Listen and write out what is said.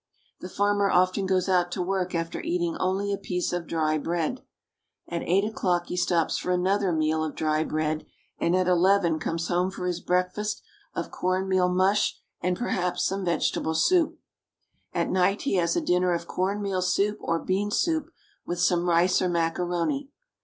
The farmer often goes out to work after eating only a piece of dry bread. At eight o'clock he stops for another meal of dry bread, and at eleven comes home for his breakfast 404 ITALY. of corn meal mush, and perhaps some vegetable soup. At night he has a dinner of corn meal soup or bean soup, with some rice or macaroni.